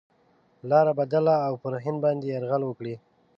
لاره بدله او پر هند باندي یرغل وکړي.